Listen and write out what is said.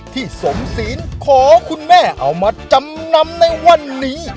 ที่สมศีลขอคุณแม่เอามาจำนำในวันนี้